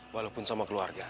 walaupun sama keluarga